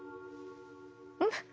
うん？